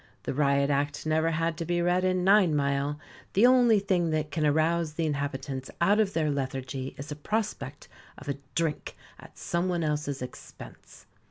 The Riot Act never had to be read in Ninemile. The only thing that can arouse the inhabitants out of their lethargy is the prospect of a drink at somebody else's expense.